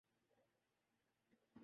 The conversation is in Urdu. جو مخصوص بازار اپنی شہرت رکھتے تھے۔